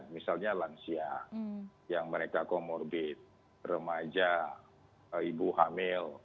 misalnya lansia yang mereka comorbid remaja ibu hamil